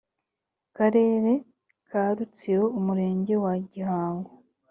karere ka rutsiro umurenge wa gihango